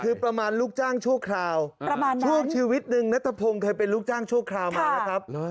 คือประมาณลูกจ้างชั่วคราวประมาณนี้ช่วงชีวิตหนึ่งนัทพงศ์เคยเป็นลูกจ้างชั่วคราวมานะครับ